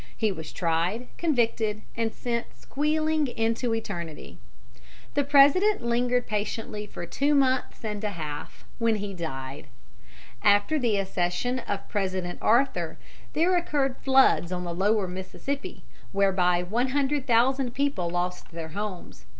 He was tried, convicted, and sent squealing into eternity. The President lingered patiently for two months and a half, when he died. [Illustration: A PERSON JUMPING FROM IT IS NOT ALWAYS KILLED.] After the accession of President Arthur, there occurred floods on the lower Mississippi, whereby one hundred thousand people lost their homes.